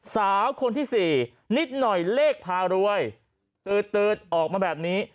สาวคนที่สี่นิดหน่อยเลขพารวยตืดออกมาแบบนี้